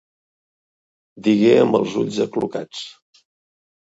Digué amb els ulls aclucats.